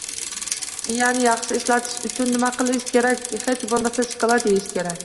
Miyani yaxshi ishlatish uchun nima qilish kerak – hech bo‘lmasa, shokolad yeyish kerak!